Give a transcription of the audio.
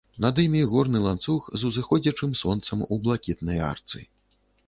Над імі горны ланцуг з узыходзячым сонцам у блакітнай арцы.